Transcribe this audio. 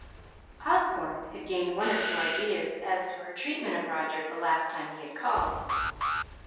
Osborne had gained one or two ideas as to her treatment of Roger the last time he had called.